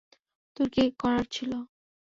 তোর কী করার ছিল?